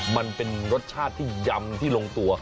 มันเป็นรสชาติที่ยำที่ลงตัว